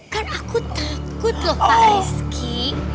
kan aku takut loh pak rizky